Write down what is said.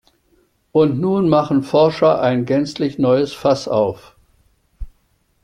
Und nun machen Forscher ein gänzlich neues Fass auf.